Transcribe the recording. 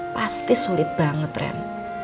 pasti sulit banget ren